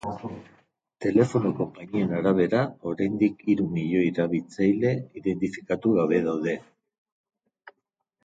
Telefono konpainien arabera, oraindik hiru milioi erabiltzaile identifikatu gabe daude.